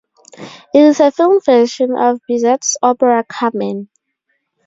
It is a film version of Bizet's opera "Carmen".